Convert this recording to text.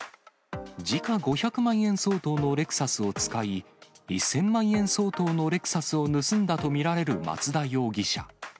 時価５００万円相当のレクサスを使い、１０００万円相当のレクサスを盗んだと見られる松田容疑者。